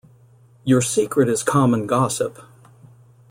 Your secret is common gossip.